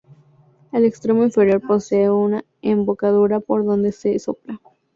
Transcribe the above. El extremo inferior posee una embocadura por donde se sopla.